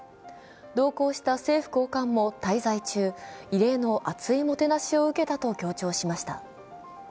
同行した政府高官も滞在中、異例の厚いもてなしを受けたと強調しました。